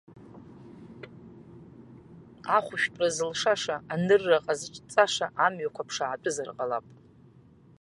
Ахәышәтәра зылшаша, анырра ҟазҵаша амҩақәа ԥшаатәызар ҟалап.